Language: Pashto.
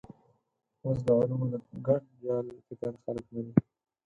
اوس د علومو د ګډ جال فکر خلک مني.